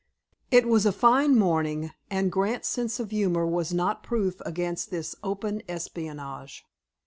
It was a fine morning, and Grant's sense of humor was not proof against this open espionage.